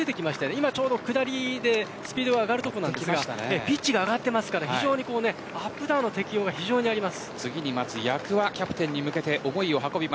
今ちょうど下りでスピードが上がるところですがピッチが上がっていますから非常にアップダウンの適用が非常にあります。